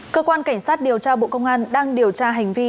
cơ quan cảnh sát điều tra bộ công an đang điều tra hành vi